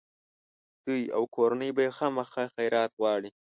دوی او کورنۍ به یې خامخا خیرات غواړي.